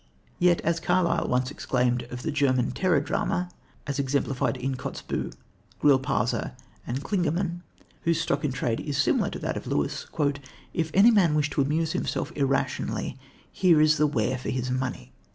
Yet, as Carlyle once exclaimed of the German terror drama, as exemplified in Kotzebue, Grillparzer and Klingemann, whose stock in trade is similar to that of Lewis: "If any man wish to amuse himself irrationally, here is the ware for his money."